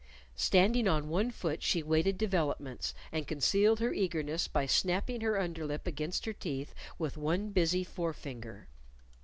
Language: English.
_ Standing on one foot she waited developments, and concealed her eagerness by snapping her underlip against her teeth with one busy forefinger.